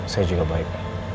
saya juga baik